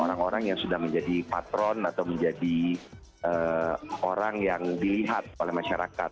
orang orang yang sudah menjadi patron atau menjadi orang yang dilihat oleh masyarakat